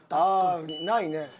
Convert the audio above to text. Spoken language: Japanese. ああないね。